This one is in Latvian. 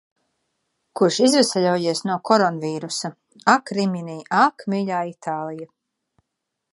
Kurš izveseļojies no koronavīrusa. Ak, Rimini, ak, mīļā Itālija!